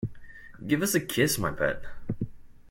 Give us a kiss, my pet.